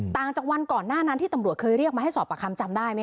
ต่างจากวันก่อนหน้านั้นที่ตำรวจเคยเรียกมาให้สอบประคำจำได้ไหมค